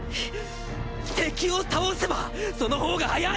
敵を倒せばそのほうが早い！